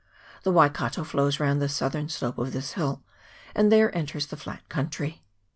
The Waikato flows round the southern slope of this hill, and there enters the flat country.